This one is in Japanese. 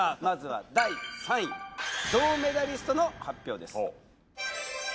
まずは第３位銅メダリストの発表です